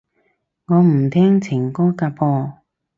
我唔聽情歌㗎噃